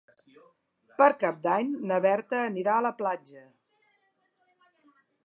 Per Cap d'Any na Berta anirà a la platja.